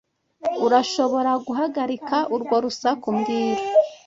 Urashobora guhagarika urwo rusaku mbwira